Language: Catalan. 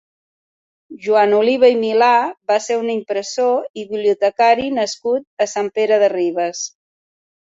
Joan Oliva i Milà va ser un impressor i bibliotecari nascut a Sant Pere de Ribes.